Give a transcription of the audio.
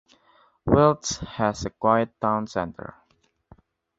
Wiltz has a quiet town centre.